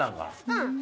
うん。